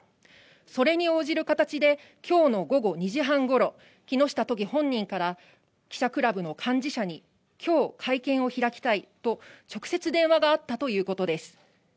それに応じる形で、きょうの午後２時半ごろ、木下都議本人から、記者クラブの幹事社にきょう、会見を開きたいと、直接電話があったということです。